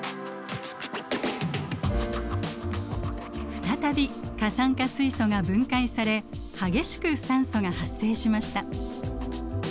再び過酸化水素が分解され激しく酸素が発生しました。